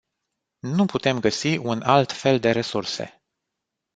Nu putem găsi un alt fel de resurse.